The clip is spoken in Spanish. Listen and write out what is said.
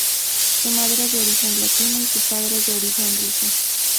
Su madre de origen latino y su padre de origen ruso.